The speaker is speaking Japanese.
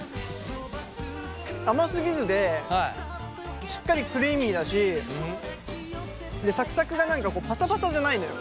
甘すぎずでしっかりクリーミーだしさくさくが何かパサパサじゃないのよ。